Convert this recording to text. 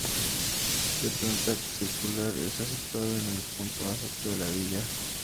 De planta circular, está situada en el punto más alto de la villa.